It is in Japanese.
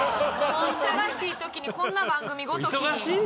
忙しい時にこんな番組ごときに。